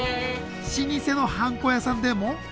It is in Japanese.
老舗のハンコ屋さんでも。